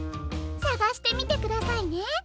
さがしてみてくださいね。